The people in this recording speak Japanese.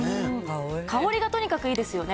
香りがとにかくいいですよね。